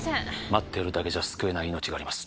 待ってるだけじゃ救えない命があります